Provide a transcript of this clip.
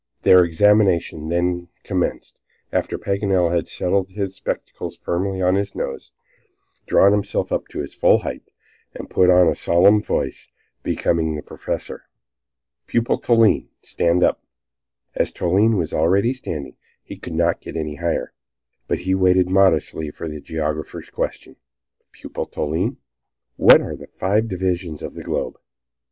Their examination then commenced, after Paganel had settled his spectacles firmly on his nose, drawn himself up to his full height, and put on a solemn voice becoming to a professor. "Pupil Toline, stand up." As Toline was already standing, he could not get any higher, but he waited modestly for the geographer's questions. "Pupil Toline, what are the five divisions of the globe?"